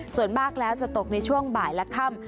ส่วนมากแล้วจะตกในช่วงบ่ายและค่ำ